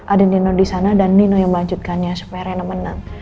ada nino di sana dan nino yang melanjutkannya supaya rena menang